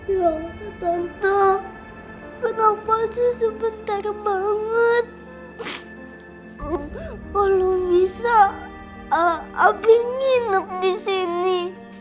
ya tante kenapa sih sebentar banget kalau bisa abis nginep di sini